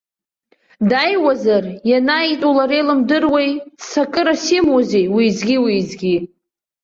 Дааиуазар, ианааитәу лара илымдыруеи, ццакырас имоузеи уеизгьы-уеизгьы.